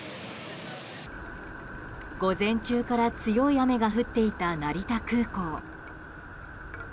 午前中から強い雨が降っていた成田空港。